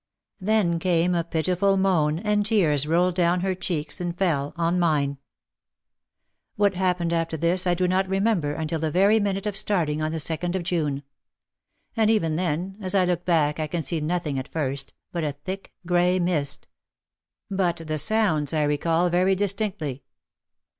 Then came a pitiful moan, and tears rolled down her cheeks and fell on mine. What happened after this I do not remember until the OUT OF THE SHADOW 45 very minute of starting on the second of June. And even then, as I look back I can see nothing at first, but a thick grey mist But the sounds I recall very distinctly.